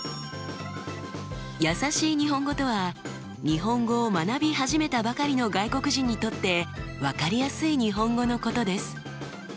やさしい日本語とは日本語を学び始めたばかりの外国人にとって分かりやすい日本語のことです。